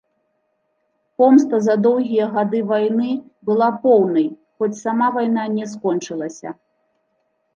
Помста за доўгія гады вайны была поўнай, хоць сама вайна не скончылася.